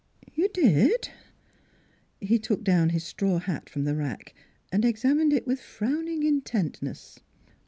"You did?" He took down his straw hat from the rack and examined it with frowning intentness.